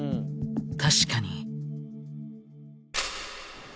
確かに。